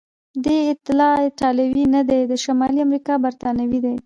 دی اصلا ایټالوی نه دی، د شمالي امریکا برتانوی دی.